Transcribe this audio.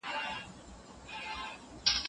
هغه په خپله خبره او پرېکړه کې ډېره کلکه وه.